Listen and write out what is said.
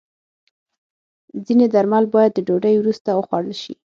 ځینې درمل باید د ډوډۍ وروسته وخوړل شي.